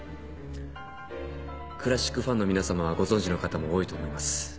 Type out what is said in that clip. クラシックファンの皆さまはご存じの方も多いと思います。